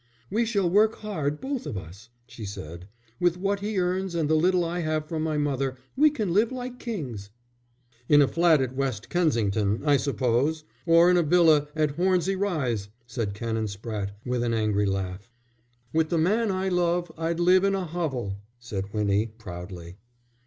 "We shall work hard, both of us," she said. "With what he earns and the little I have from my mother we can live like kings." "In a flat at West Kensington, I suppose, or in a villa at Hornsey Rise," said Canon Spratte, with an angry laugh. "With the man I love I'd live in a hovel," said Winnie, proudly.